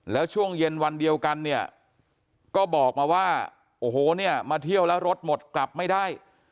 แล้วช่วงเย็นวันเดียวกันเนี่ยก็บอกมาว่าโอ้โหเนี่ยมาเที่ยวแล้วรถหมดกลับไม่ได้